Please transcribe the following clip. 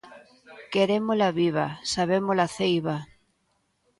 Querémola viva, sabémola ceiba.